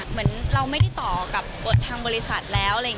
เหมือนเราไม่ต่อกับกรทางบริษัทแล้ว